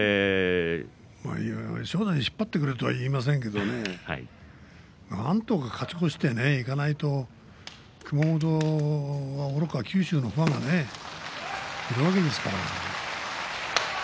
正代に引っ張ってくれとは言いませんけどなんとか勝ち越していかないと熊本はおろか九州のファンがいるわけですから。